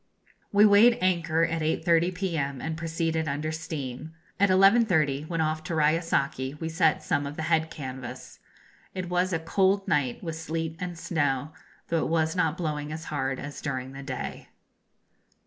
We weighed anchor at 8.30 p.m. and proceeded under steam. At 11.30, when off Touraya saki, we set some of the head canvas. It was a cold night, with sleet and snow, though it was not blowing as hard as during the day.